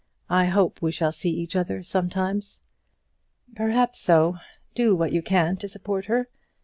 I hope we shall see each other sometimes." "Perhaps so. Do what you can to support her.